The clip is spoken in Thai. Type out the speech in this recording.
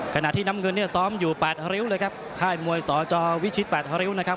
ขณะที่น้ำเงินเนี่ยซ้อมอยู่๘ริ้วเลยครับค่ายมวยสจวิชิตแปดฮาริ้วนะครับ